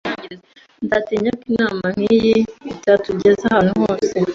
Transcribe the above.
Nzatinya ko inama nkiyi itatugeza ahantu hose